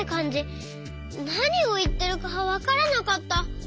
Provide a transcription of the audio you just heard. なにをいってるかわからなかった。